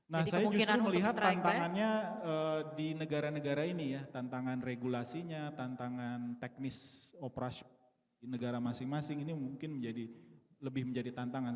nah saya justru melihat tantangannya di negara negara ini ya tantangan regulasinya tantangan teknis operasi negara masing masing ini mungkin lebih menjadi tantangan